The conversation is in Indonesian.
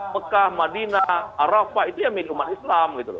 mekah madinah arafat itu yang minuman islam